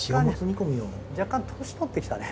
若干年取ってきたね。